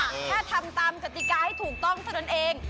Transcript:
แค่ทำตามกติกาให้ถูกต้องเท่านั้นเอง